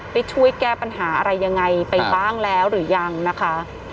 ไปช่วยแก้ปัญหาอะไรยังไงไปบ้างแล้วหรือยังนะคะ